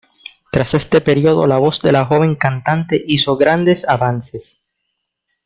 Tras este periodo la voz de la joven cantante hizo grandes avances.